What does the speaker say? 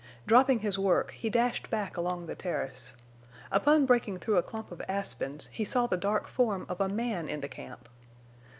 Dropping his work, he dashed back along the terrace. Upon breaking through a clump of aspens he saw the dark form of a man in the camp.